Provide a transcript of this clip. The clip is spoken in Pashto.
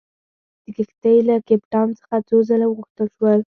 د کښتۍ له کپټان څخه څو ځله وغوښتل شول.